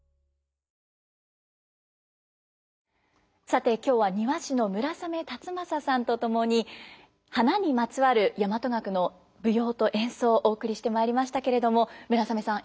さて今日は庭師の村雨辰剛さんと共に花にまつわる大和楽の舞踊と演奏お送りしてまいりましたけれども村雨さん